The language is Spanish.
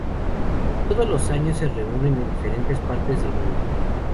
Todos los años se reúnen en diferentes partes del mundo.